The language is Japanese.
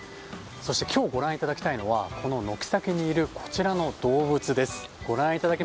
そして、今日ご覧いただきたいのはこの軒先にいるこちらの動物です。